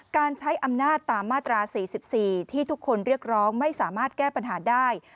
การใช้อำนาจตามมาตรา๔๔ที่ทุกคนเรียกร้องไม่สามารถแก้ปัญหาได้